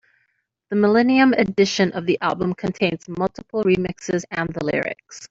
The millennium edition of the album contains multiple remixes and the lyrics.